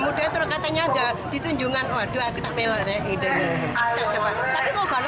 mereka juga berpengalaman untuk menikah di jalanan